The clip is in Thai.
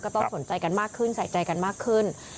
ต้องสนใจกันมากขึ้นใส่ใจกันมากขึ้น